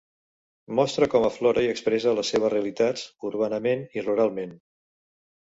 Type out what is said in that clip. Mostre com aflora i expressa les seues realitats, urbanament i ruralment.